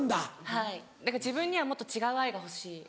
はい何か自分にはもっと違う愛が欲しい。